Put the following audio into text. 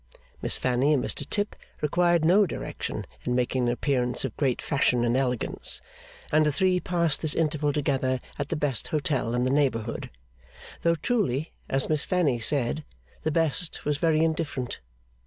Miss Fanny and Mr Tip required no direction in making an appearance of great fashion and elegance; and the three passed this interval together at the best hotel in the neighbourhood though truly, as Miss Fanny said, the best was very indifferent.